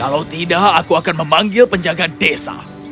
kalau tidak aku akan memanggil penjaga desa